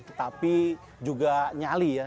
tetapi juga nyali ya